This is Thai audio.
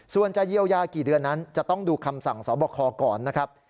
ส่วนจะเยียวยากี่เดือนนั้นจะต้องดูคำสั่งสอบคอก่อนนะครับ